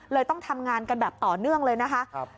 ต้องทำงานกันแบบต่อเนื่องเลยนะคะ